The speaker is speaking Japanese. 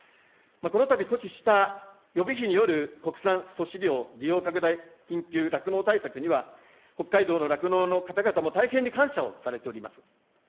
このたび措置した予備費による国産粗飼料利用拡大緊急酪農対策には、北海道の酪農の方々も大変に感謝をされております。